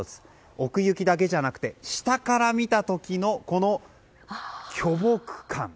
奥行きだけではなく下から見た時のこの巨木感。